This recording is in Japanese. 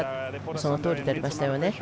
そのとおりでありましたよね。